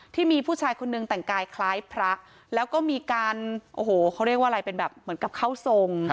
ที่มีผู้ชายคนนึงแต่งกายคล้ายพระแล้วก็มีการโอ้โหเขาเรียกว่าอะไรเป็นแบบเหมือนกับเข้าทรง